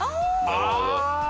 ああ！